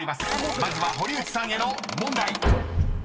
まずは堀内さんへの問題］